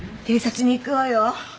偵察に行くわよ。